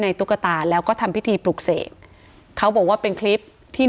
ตุ๊กตาแล้วก็ทำพิธีปลุกเสกเขาบอกว่าเป็นคลิปที่